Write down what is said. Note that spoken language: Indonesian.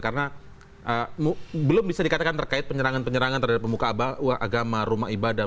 karena belum bisa dikatakan terkait penyerangan penyerangan terhadap pemuka agama rumah ibadah